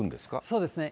そうですね。